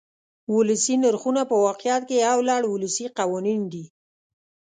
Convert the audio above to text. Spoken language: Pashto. ولسي نرخونه په واقعیت کې یو لړ ولسي قوانین دي.